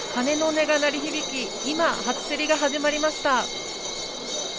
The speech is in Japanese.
鐘の音が鳴り響き、今、初競りが始まりました。